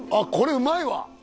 うまいわ！